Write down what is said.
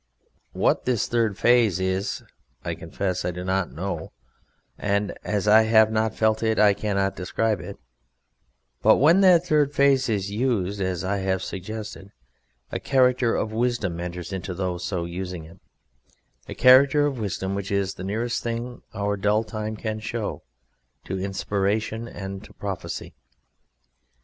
What this third phase is I confess I do not know, and as I have not felt it I cannot describe it, but when that third phase is used as I have suggested a character of wisdom enters into those so using it; a character of wisdom which is the nearest thing our dull time can show to inspiration and to prophecy.